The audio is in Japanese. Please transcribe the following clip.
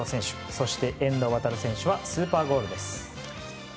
そして、遠藤航選手はスーパーゴールです。